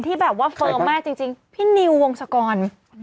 ที่แบบว่าเฟิร์มมากจริงพี่นิววงศกร